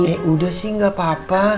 ya udah sih gak apa apa